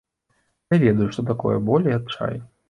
Я ведаю, што такое боль і адчай.